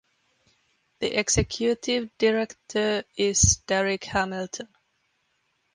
The executive director is Darrick Hamilton.